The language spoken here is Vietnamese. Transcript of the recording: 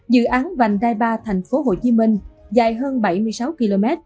dự án vành đai ba thành phố hồ chí minh dài hơn bảy mươi sáu km